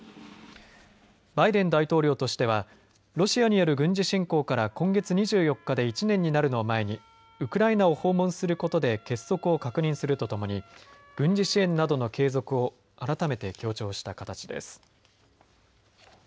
バイデン大統領としてはロシアによる軍事侵攻から今月２４日で１年になるのを前にウクライナを訪問することで結束を確認するとともに軍事支援などの継続を改めて強調した形です。